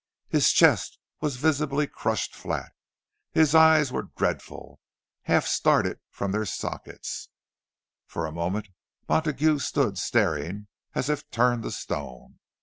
His chest was visibly crushed flat, and his eyes were dreadful, half started from their sockets. For a moment Montague stood staring, as if turned to stone.